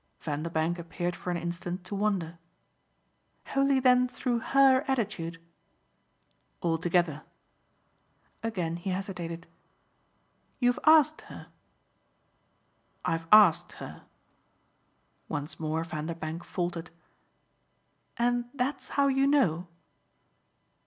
Vanderbank appeared for an instant to wonder. "Wholly then through HER attitude?" "Altogether." Again he hesitated. "You've asked her?" "I've asked her." Once more Vanderbank faltered. "And that's how you know?"